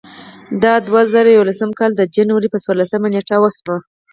دا د دوه زره یولسم کال د جنورۍ پر څوارلسمه نېټه وشوه.